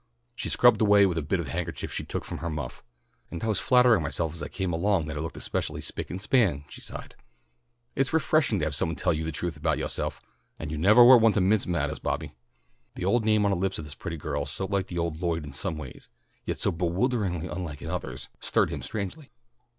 She scrubbed away with a bit of a handkerchief she took from her muff. "And I was flattering myself as I came along that I looked especially spick and span," she sighed. "It's refreshing to have somebody tell you the truth about yoahself, and you nevah were one to mince mattahs, Bobby." The old name on the lips of this pretty girl so like the old Lloyd in some ways, yet so bewilderingly unlike in others, stirred him strangely.